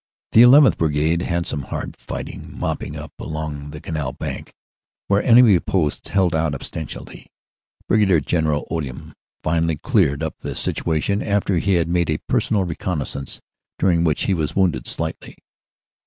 The llth. Brigade had some hard fighting, mopping up along the canal bank, where enemy posts held out obstinately. Brig. General Odium finally cleared up the situation after he 170 CANADA S HUNDRED DAYS had made a personal reconnaissance during which he was wounded slightly.